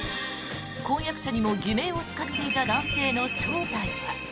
婚約者にも偽名を使っていた男性の正体は。